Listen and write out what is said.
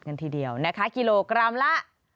ทีเดียวนะคะกิโลกรัมละ